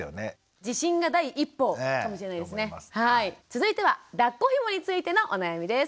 続いてはだっこひもについてのお悩みです。